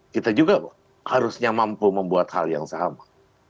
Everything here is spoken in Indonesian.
kita juga harusnya mampu membuat hal yang sama